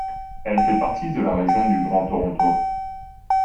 Elle fait partie de la région du Grand Toronto.